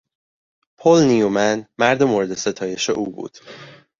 پل نیومن مرد مورد ستایش او بود.